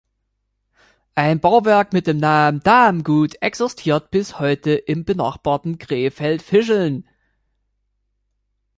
Ein Bauwerk mit dem Namen „Damen Gut“ existiert bis heute im benachbarten Krefeld-Fischeln.